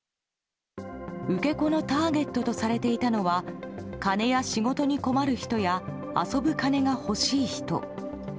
受け子のターゲットとされていたのは金や仕事に困る人や遊ぶ金が欲しい人。